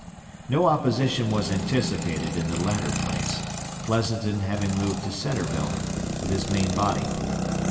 No opposition was anticipated in the latter place, Pleasonton having moved to Centreville, with his main body.